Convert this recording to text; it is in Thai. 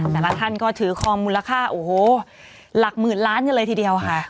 แต่ละท่านก็ถือคอมมูลค่าโอ้โหหลักหมื่นล้านกันเลยทีเดียวค่ะ